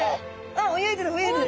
泳いでる泳いでる。